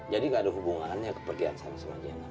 jadi nggak ada hubungannya kepergian sarah sama jena